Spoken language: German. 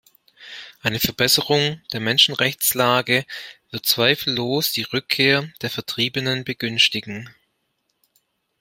Eine Verbesserung der Menschenrechtslage wird zweifellos die Rückkehr der Vertriebenen begünstigen.